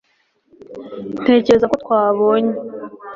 ntekereza ko twabonye